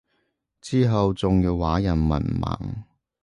之後仲要話人文盲